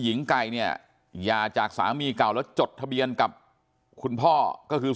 หญิงไก่เนี่ยหย่าจากสามีเก่าแล้วจดทะเบียนกับคุณพ่อก็คือ